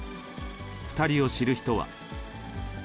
２人を知る人は。